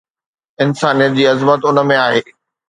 انسانيت جي عظمت ان ۾ آهي